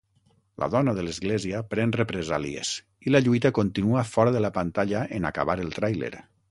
La dona de l'església pren represàlies i la lluita continua fora de la pantalla en acabar el tràiler.